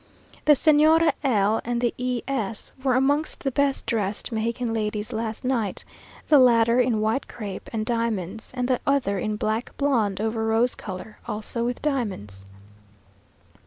The Señora L and the E s were amongst the best dressed Mexican ladies last night; the latter in white crape and diamonds, and the other in black blonde over rose colour, also with diamonds.